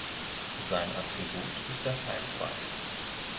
Sein Attribut ist der Palmzweig.